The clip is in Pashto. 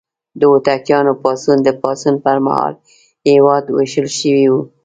د هوتکیانو پاڅون: د پاڅون پر مهال هېواد ویشل شوی و.